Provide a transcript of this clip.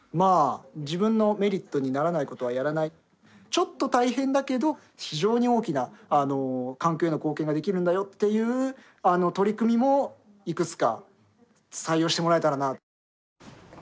ちょっと大変だけど非常に大きな環境への貢献ができるんだよっていう取り組みもいくつか採用してもらえたらな。